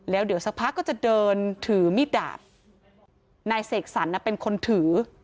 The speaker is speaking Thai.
แล้วเดี๋ยวสักพักก็จะเดินถือมีดดาบนายเสกสรรเป็นคนถือ